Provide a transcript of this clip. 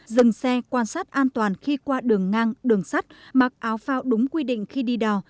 dừng xe quan sát an toàn khi qua đường ngang đường sắt mặc áo phao đúng quy định khi đi đò